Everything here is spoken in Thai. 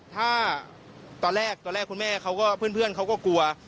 ถ้าตอนแรกคุณแม่เพื่อนเขาก็กลัว